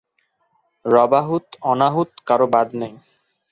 রবাহূত অনাহূত কারো বাদ নেই।